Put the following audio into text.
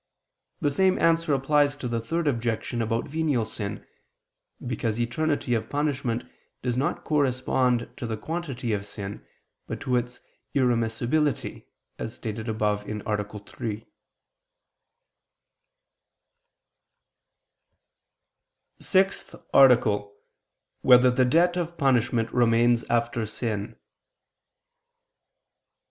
The same answer applies to the Third Objection about venial sin. Because eternity of punishment does not correspond to the quantity of the sin, but to its irremissibility, as stated above (A. 3). ________________________ SIXTH ARTICLE [I II, Q. 87, Art. 6] Whether the Debt of Punishment Remains After Sin?